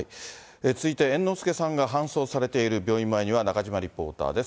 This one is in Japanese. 続いて猿之助さんが搬送されている病院前には中島リポーターです。